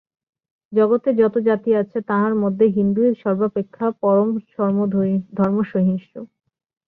জগতে যত জাতি আছে, তাহার মধ্যে হিন্দুই সর্বাপেক্ষা পরধর্মসহিষ্ণু।